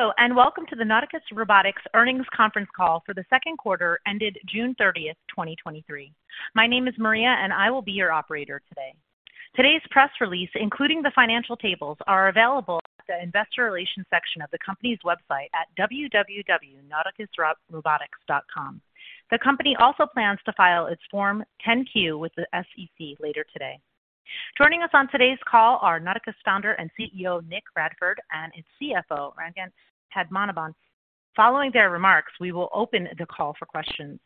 Hello, and welcome to the Nauticus Robotics Earnings Conference Call for the second quarter ended June 30, 2023. My name is Maria, and I will be your operator today. Today's press release, including the financial tables, are available at the Investor Relations section of the company's website at www.nauticusrobotics.com. The company also plans to file its Form 10-Q with the SEC later today. Joining us on today's call are Nauticus founder and CEO, Nicolaus Radford, and its CFO, Rangan Padmanabhan. Following their remarks, we will open the call for questions.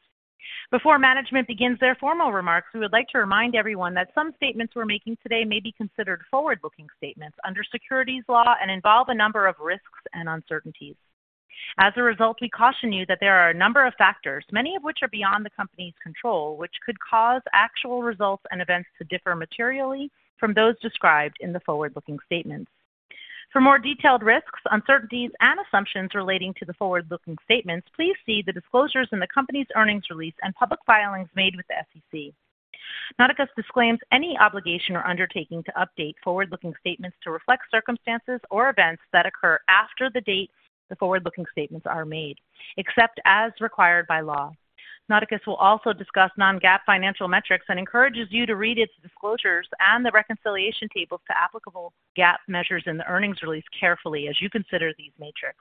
Before management begins their formal remarks, we would like to remind everyone that some statements we're making today may be considered forward-looking statements under securities law and involve a number of risks and uncertainties. As a result, we caution you that there are a number of factors, many of which are beyond the company's control, which could cause actual results and events to differ materially from those described in the forward-looking statements. For more detailed risks, uncertainties, and assumptions relating to the forward-looking statements, please see the disclosures in the company's earnings release and public filings made with the SEC. Nauticus disclaims any obligation or undertaking to update forward-looking statements to reflect circumstances or events that occur after the date the forward-looking statements are made, except as required by law. Nauticus will also discuss non-GAAP financial metrics and encourages you to read its disclosures and the reconciliation tables to applicable GAAP measures in the earnings release carefully as you consider these metrics.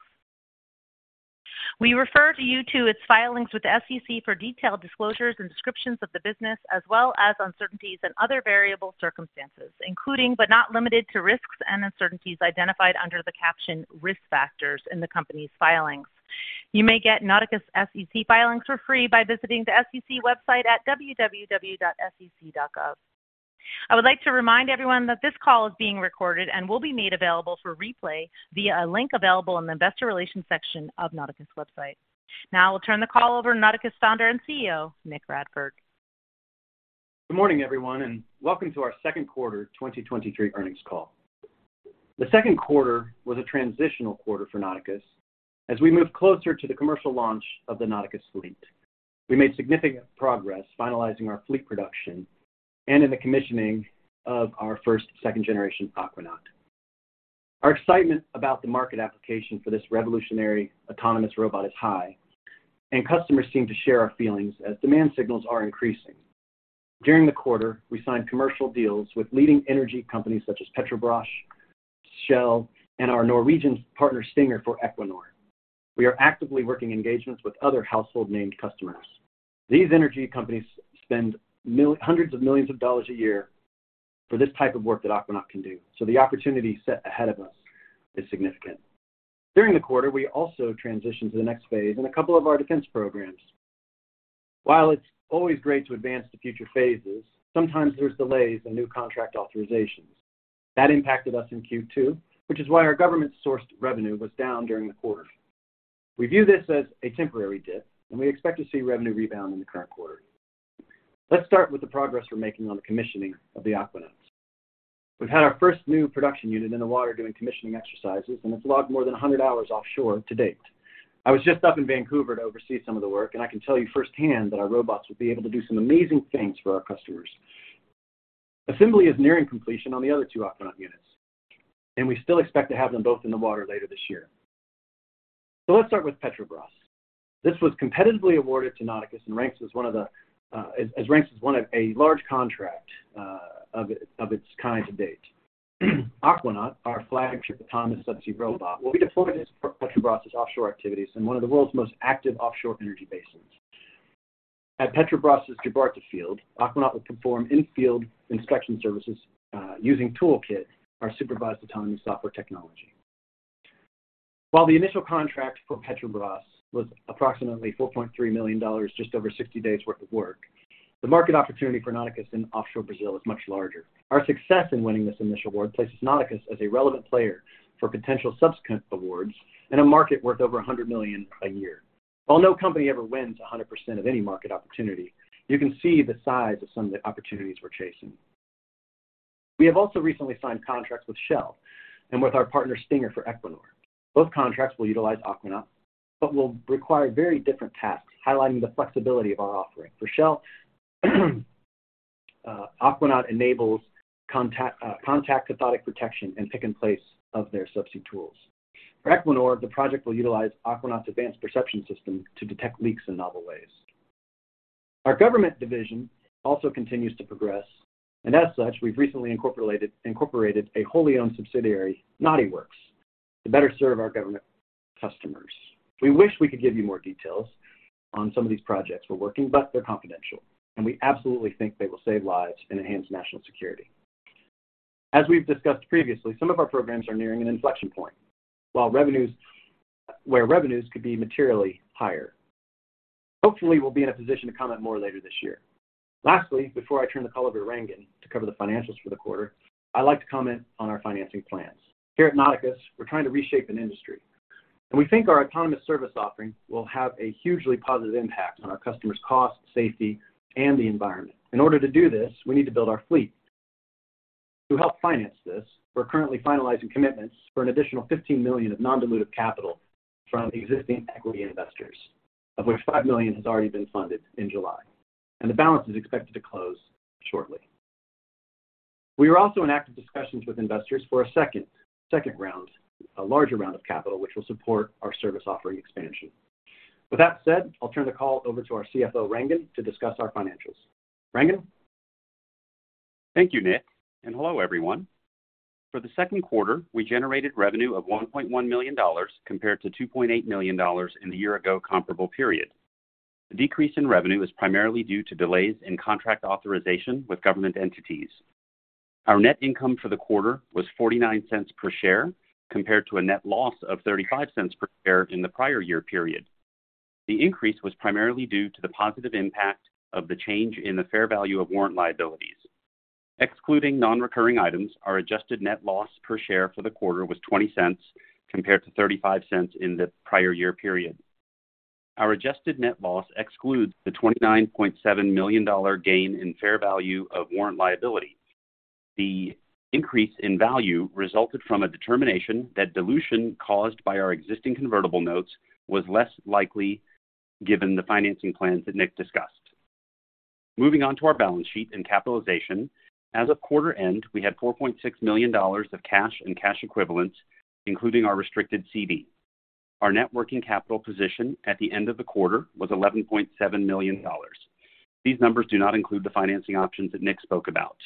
We refer to you to its filings with the SEC for detailed disclosures and descriptions of the business, as well as uncertainties and other variable circumstances, including but not limited to, risks and uncertainties identified under the caption Risk Factors in the company's filings. You may get Nauticus SEC filings for free by visiting the SEC website at www.sec.gov. I would like to remind everyone that this call is being recorded and will be made available for replay via a link available in the Investor Relations section of Nauticus' website. Now I'll turn the call over to Nauticus Founder and CEO, Nicolaus Radford. Good morning, everyone, and welcome to our second quarter 2023 earnings call. The second quarter was a transitional quarter for Nauticus as we move closer to the commercial launch of the Nauticus fleet. We made significant progress finalizing our fleet production and in the commissioning of our first second-generation Aquanaut. Our excitement about the market application for this revolutionary autonomous robot is high, and customers seem to share our feelings as demand signals are increasing. During the quarter, we signed commercial deals with leading energy companies such as Petrobras, Shell, and our Norwegian partner, Stinger, for Equinor. We are actively working engagements with other household-named customers. These energy companies spend $hundreds of millions a year for this type of work that Aquanaut can do, so the opportunity set ahead of us is significant. During the quarter, we also transitioned to the next phase in a couple of our defense programs. While it's always great to advance to future phases, sometimes there's delays in new contract authorizations. That impacted us in Q2, which is why our government-sourced revenue was down during the quarter. We view this as a temporary dip, and we expect to see revenue rebound in the current quarter. Let's start with the progress we're making on the commissioning of the Aquanauts. We've had our first new production unit in the water doing commissioning exercises, and it's logged more than 100 hours offshore to date. I was just up in Vancouver to oversee some of the work, and I can tell you firsthand that our robots will be able to do some amazing things for our customers. Assembly is nearing completion on the other two Aquanaut units, and we still expect to have them both in the water later this year. Let's start with Petrobras. This was competitively awarded to Nauticus and ranks as one of the, as ranks as one of a large contract, of its kind to date. Aquanaut, our flagship autonomous subsea robot, will be deployed as part of Petrobras' offshore activities in one of the world's most active offshore energy basins. At Petrobras' Jubarte field, Aquanaut will perform in-field inspection services using ToolKITT, our supervised autonomous software technology. While the initial contract for Petrobras was approximately $4.3 million, just over 60 days worth of work, the market opportunity for Nauticus in offshore Brazil is much larger. Our success in winning this initial award places Nauticus as a relevant player for potential subsequent awards in a market worth over $100 million a year. While no company ever wins 100% of any market opportunity, you can see the size of some of the opportunities we're chasing. We have also recently signed contracts with Shell and with our partner, Stinger, for Equinor. Both contracts will utilize Aquanaut, will require very different tasks, highlighting the flexibility of our offering. For Shell, Aquanaut enables contact, contact cathodic protection and pick-and-place of their subsea tools. For Equinor, the project will utilize Aquanaut's advanced perception system to detect leaks in novel ways. Our government division also continues to progress, as such, we've recently incorporated, incorporated a wholly owned subsidiary, NautiWorks, to better serve our government customers. We wish we could give you more details on some of these projects we're working, but they're confidential, and we absolutely think they will save lives and enhance national security. As we've discussed previously, some of our programs are nearing an inflection point, while revenues, where revenues could be materially higher. Hopefully, we'll be in a position to comment more later this year. Lastly, before I turn the call over to Rangan to cover the financials for the quarter, I'd like to comment on our financing plans. Here at Nauticus, we're trying to reshape an industry, and we think our autonomous service offering will have a hugely positive impact on our customers' cost, safety, and the environment. In order to do this, we need to build our fleet. To help finance this, we're currently finalizing commitments for an additional $15 million of non-dilutive capital from existing equity investors, of which $5 million has already been funded in July. The balance is expected to close shortly. We are also in active discussions with investors for a second round, a larger round of capital, which will support our service offering expansion. With that said, I'll turn the call over to our CFO, Rangan, to discuss our financials. Rangan? Thank you, Nick, and hello, everyone. For the second quarter, we generated revenue of $1.1 million compared to $2.8 million in the year-ago comparable period. The decrease in revenue was primarily due to delays in contract authorization with government entities. Our net income for the quarter was $0.49 per share, compared to a net loss of $0.35 per share in the prior year period. The increase was primarily due to the positive impact of the change in the fair value of warrant liabilities. Excluding nonrecurring items, our adjusted net loss per share for the quarter was $0.20, compared to $0.35 in the prior year period. Our adjusted net loss excludes the $29.7 million gain in fair value of warrant liability. The increase in value resulted from a determination that dilution caused by our existing convertible notes was less likely, given the financing plans that Nick discussed. Moving on to our balance sheet and capitalization. As of quarter end, we had $4.6 million of cash and cash equivalents, including our restricted cash. Our net working capital position at the end of the quarter was $11.7 million. These numbers do not include the financing options that Nick spoke about.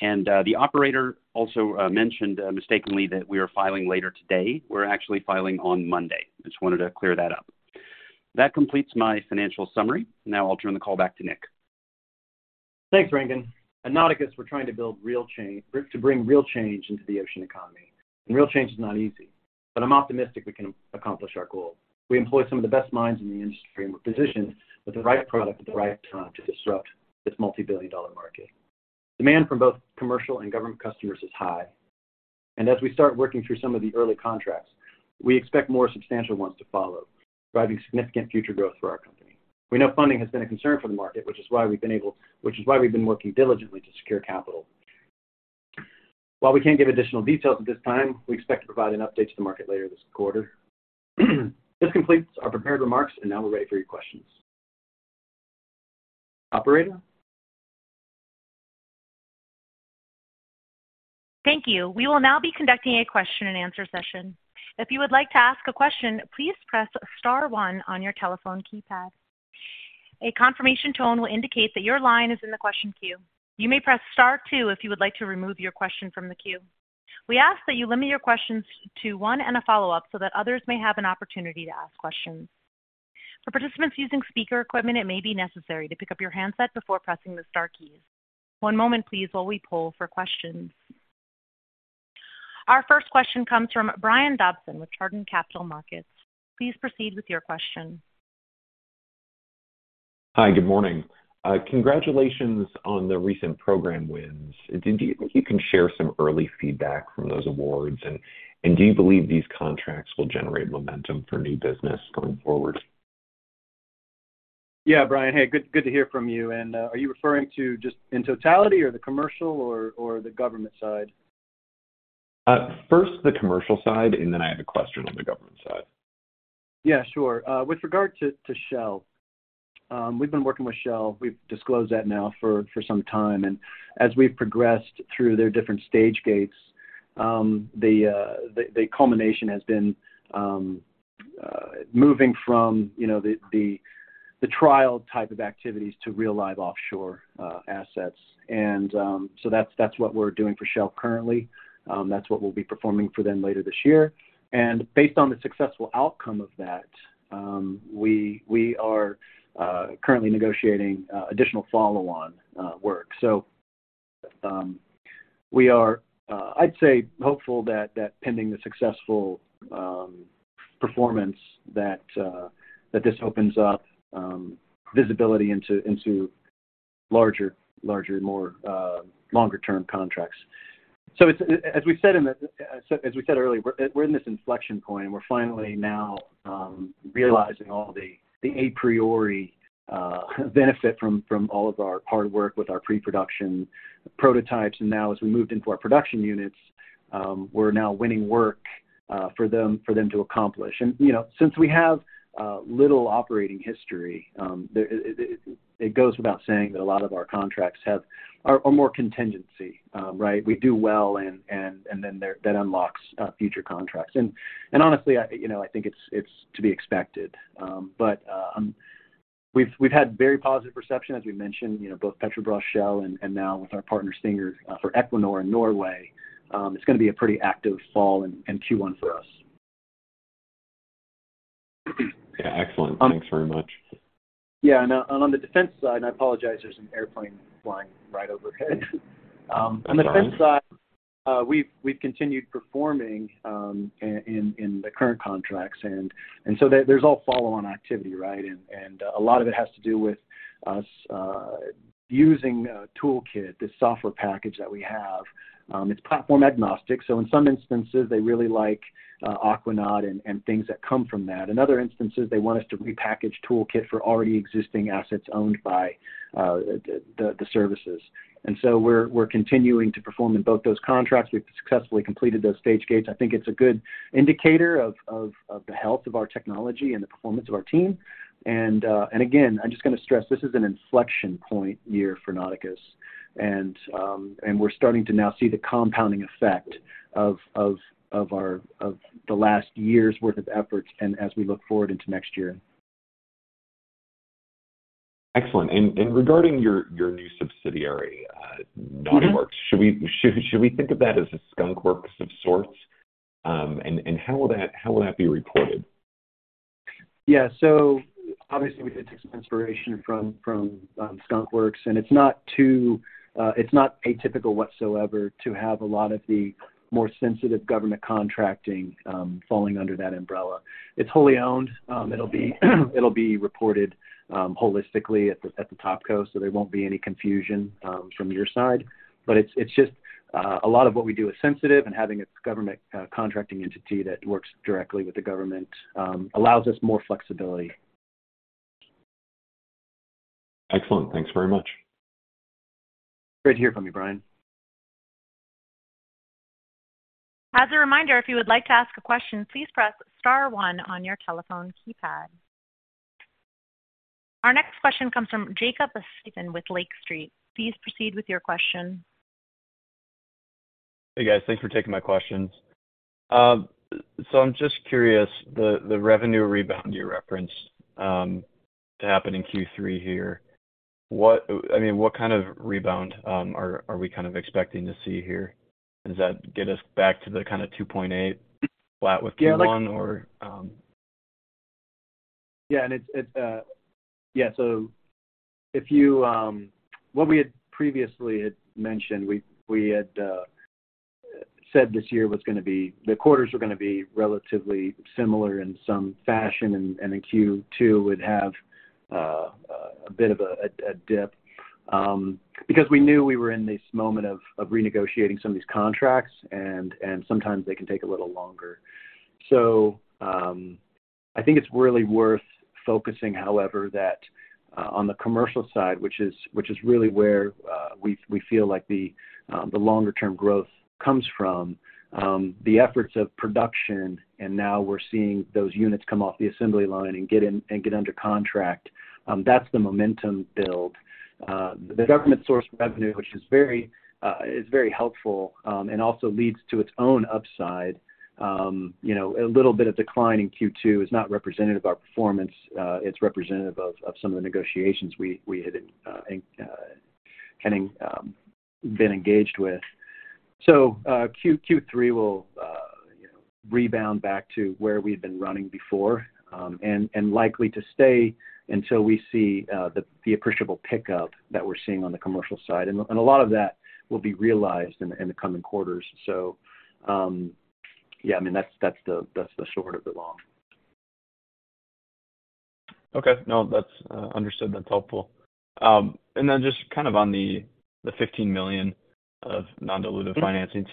The operator also mentioned mistakenly that we are filing later today. We're actually filing on Monday. Just wanted to clear that up. That completes my financial summary. Now I'll turn the call back to Nick Thanks, Rangan. At Nauticus, we're trying to bring real change into the ocean economy. Real change is not easy, but I'm optimistic we can accomplish our goal. We employ some of the best minds in the industry, and we're positioned with the right product at the right time to disrupt this multibillion-dollar market. Demand from both commercial and government customers is high, and as we start working through some of the early contracts, we expect more substantial ones to follow, driving significant future growth for our company. We know funding has been a concern for the market, which is why we've been working diligently to secure capital. While we can't give additional details at this time, we expect to provide an update to the market later this quarter. This completes our prepared remarks. Now we're ready for your questions. Operator? Thank you. We will now be conducting a question-and-answer session. If you would like to ask a question, please press star one on your telephone keypad. A confirmation tone will indicate that your line is in the question queue. You may press star two if you would like to remove your question from the queue. We ask that you limit your questions to one and a follow-up so that others may have an opportunity to ask questions. For participants using speaker equipment, it may be necessary to pick up your handset before pressing the star keys. One moment please, while we poll for questions. Our first question comes from Brian Dobson with Chardan Capital Markets. Please proceed with your question. Hi, good morning. Congratulations on the recent program wins. Do you think you can share some early feedback from those awards? Do you believe these contracts will generate momentum for new business going forward? Yeah, Brian. Hey, good, good to hear from you. Are you referring to just in totality or the commercial or, or the government side? First, the commercial side, and then I have a question on the government side. Yeah, sure. With regard to Shell, we've been working with Shell, we've disclosed that now for some time, and as we've progressed through their different stage gates, the culmination has been moving from, you know, trial type of activities to real live offshore assets. That's what we're doing for Shell currently. That's what we'll be performing for them later this year. Based on the successful outcome of that, we are currently negotiating additional follow-on work. We are, I'd say hopeful that, that pending the successful performance, that this opens up visibility into larger, larger, more longer-term contracts. It's, as we said in the, as we said earlier, we're, we're in this inflection point, and we're finally now realizing all the a priori benefit from all of our hard work with our pre-production prototypes. Now as we moved into our production units, we're now winning work for them, for them to accomplish. You know, since we have little operating history, it goes without saying that a lot of our contracts are more contingency, right? We do well and then that unlocks future contracts. Honestly, I, you know, I think it's to be expected. We've had very positive perception, as we mentioned, you know, both Petrobras, Shell, and now with our partner, Stinger, for Equinor and Norway. It's going to be a pretty active fall and, and Q1 for us. Yeah, excellent. Thanks very much. Yeah, on, on the defense side, I apologize, there's an airplane flying right overhead. No worries. On the defense side, we've, we've continued performing in, in, in the current contracts, so there, there's all follow-on activity, right? A lot of it has to do with us using toolKITT, this software package that we have. It's platform agnostic, so in some instances, they really like Aquanaut and, and things that come from that. In other instances, they want us to repackage toolKITT for already existing assets owned by the, the, the services. We're, we're continuing to perform in both those contracts. We've successfully completed those stage gates. I think it's a good indicator of, of, of the health of our technology and the performance of our team. Again, I'm just going to stress, this is an inflection point year for Nauticus.. We're starting to now see the compounding effect of the last year's worth of efforts and as we look forward into next year. Excellent. Regarding your, your new subsidiary... NautiWorks, should we, should, should we think of that as a Skunk Works of sorts? How will that, how will that be reported? Yeah. Obviously, we did take some inspiration from, from Skunk Works, and it's not too, it's not atypical whatsoever to have a lot of the more sensitive government contracting, falling under that umbrella. It's wholly owned. It'll be, it'll be reported, holistically at the, at the topco, so there won't be any confusion, from your side. It's, it's just, a lot of what we do is sensitive, and having a government, contracting entity that works directly with the government, allows us more flexibility. Excellent. Thanks very much. Great hearing from you, Brian. As a reminder, if you would like to ask a question, please press star one on your telephone keypad. Our next question comes from Jacob Stephan with Lake Street. Please proceed with your question. Hey, guys. Thanks for taking my questions. I'm just curious, the revenue rebound you referenced to happen in Q3 here. What I mean, what kind of rebound are we kind of expecting to see here? Does that get us back to the kind of $2.8, flat with Q1 or? Yeah, and it's, it's. Yeah, if you. What we had previously had mentioned, we had said this year was gonna be, the quarters were gonna be relatively similar in some fashion, and in Q2 would have a bit of a dip because we knew we were in this moment of renegotiating some of these contracts and sometimes they can take a little longer. I think it's really worth focusing, however, that on the commercial side, which is really where we feel like the longer-term growth comes from the efforts of production, and now we're seeing those units come off the assembly line and get in and get under contract. That's the momentum build. The government source revenue, which is very, is very helpful, and also leads to its own upside. You know, a little bit of decline in Q2 is not representative of our performance, it's representative of, of some of the negotiations we, we had, had, been engaged with. Q3 will rebound back to where we've been running before, and, and likely to stay until we see, the, the appreciable pickup that we're seeing on the commercial side. A lot of that will be realized in, in the coming quarters. Yeah, I mean, that's, that's the, that's the short of the long. Okay. No, that's understood. That's helpful. Then just kind of on the, the $15 million of non-dilutive, financing.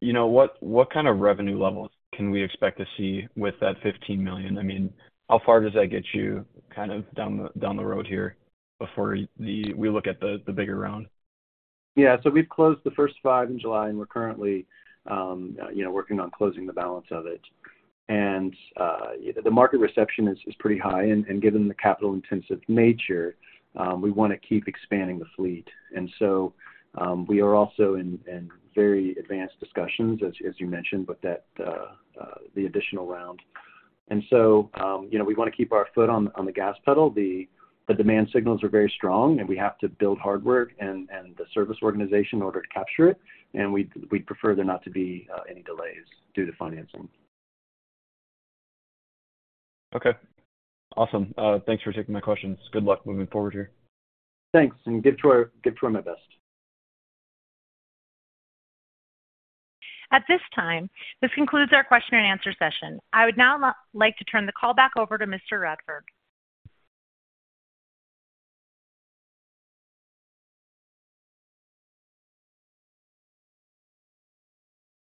You know, what, what kind of revenue levels can we expect to see with that $15 million? I mean, how far does that get you kind of down the, down the road here before the, we look at the, the bigger round? Yeah. We've closed the first five in July, and we're currently, you know, working on closing the balance of it. The market reception is pretty high, and given the capital-intensive nature, we wanna keep expanding the fleet. We are also in very advanced discussions, as you mentioned, with that, the additional round. You know, we wanna keep our foot on the gas pedal. The demand signals are very strong, and we have to build hard work and the service organization in order to capture it, and we'd prefer there not to be any delays due to financing. Okay. Awesome. Thanks for taking my questions. Good luck moving forward here. Thanks, and give Troy, give Troy my best. At this time, this concludes our question and answer session. I would now like to turn the call back over to Mr. Radford.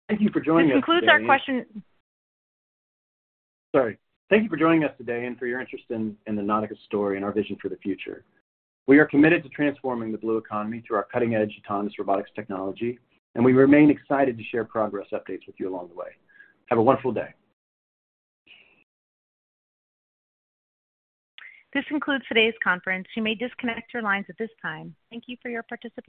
Thank you for joining us today. This concludes our question- Sorry. Thank you for joining us today and for your interest in, in the Nauticus story and our vision for the future. We are committed to transforming the blue economy through our cutting-edge autonomous robotics technology, and we remain excited to share progress updates with you along the way. Have a wonderful day! This concludes today's conference. You may disconnect your lines at this time. Thank you for your participation.